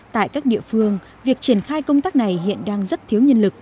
tại các địa phương việc triển khai công tác này hiện đang rất thiếu nhân lực